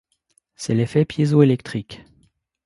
C'est l'effet piézo-électrique.